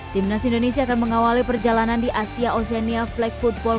timnas indonesia akan mengawali perjalanan di asia oceania flag football